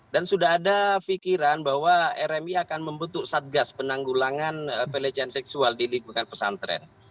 dan sudah ada pikiran bahwa rmi akan membentuk satgas penanggulangan pelecehan seksual di lingkungan pesantren